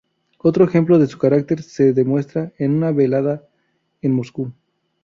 Otro ejemplo de su carácter se demuestra en una velada en Moscú.